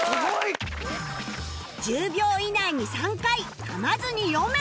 １０秒以内に３回噛まずに読め